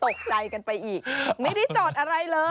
ตกใจกันไปอีกไม่ได้จอดอะไรเลย